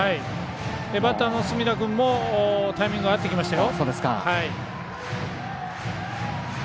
バッターの隅田君もタイミング合ってきましたよ。